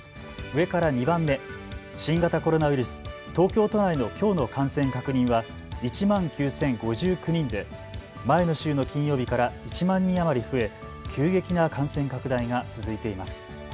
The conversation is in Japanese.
上から２番目、新型コロナウイルス、東京都内のきょうの感染確認は１万９０５９人で前の週の金曜日から１万人余り増え急激な感染拡大が続いています。